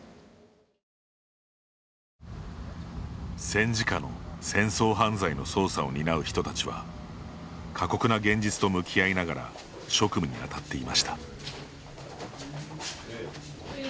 戦時下の戦争犯罪の捜査を担う人たちは過酷な現実と向き合いながら職務に当たっていました。